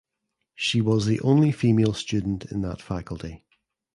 She was the only female student in that faculty.